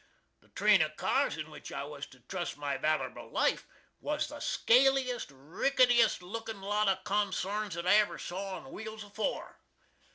The train of cars in which I was to trust my wallerable life, was the scaliest, rickytiest lookin lot of consarns that I ever saw on wheels afore.